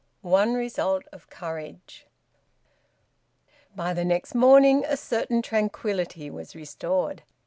ONE RESULT OF COURAGE. By the next morning a certain tranquillity was restored.